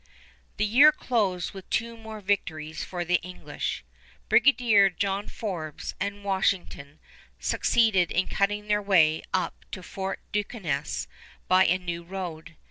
The year closed with two more victories for the English. Brigadier John Forbes and Washington succeeded in cutting their way up to Fort Duquesne by a new road.